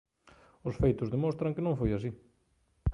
Os feitos demostran que non foi así.